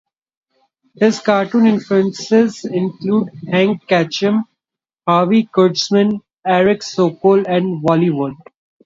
His cartoon influences include Hank Ketcham, Harvey Kurtzman, Erich Sokol and Wally Wood.